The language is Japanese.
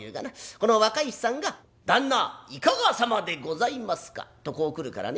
この若い衆さんが『旦那いかがさまでございますか』とこうくるからね